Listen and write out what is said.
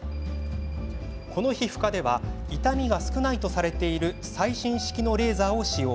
この皮膚科では痛みが少ないとされている最新式のレーザーを使用。